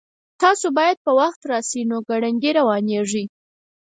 تاسو باید په وخت راشئ نو ګړندي روانیږئ